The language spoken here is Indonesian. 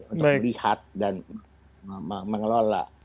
untuk melihat dan mengelola